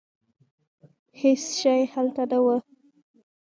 هېڅ شی هلته نه و.